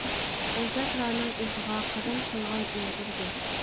ئەجدادلارنىڭ ئىزىغا قەدەم سالغان ئۇيغۇر بىز.